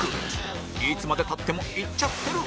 いつまで経ってもいっちゃってる！